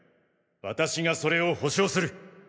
私がそれを保証する！